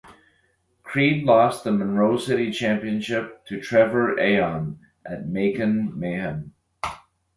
Creed lost the Monroe City Championship to Trevor Aeon at "Macon Mayhem".